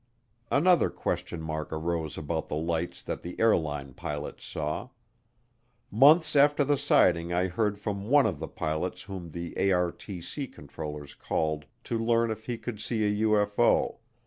Another question mark arose about the lights that the airline pilots saw. Months after the sighting I heard from one of the pilots whom the ARTC controllers called to learn if he could see a UFO.